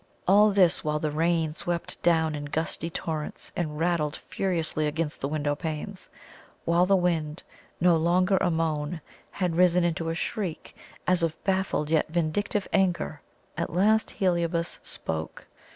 All this while the rain swept down in gusty torrents and rattled furiously against the window panes; while the wind, no longer a moan, had risen into a shriek, as of baffled yet vindictive anger. At last Heliobas spoke.